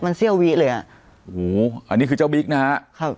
มันเสี้ยววิเลยอ่ะโอ้โหอันนี้คือเจ้าบิ๊กนะฮะครับ